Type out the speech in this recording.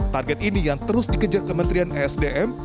target ini yang terus dikejar kementerian esdm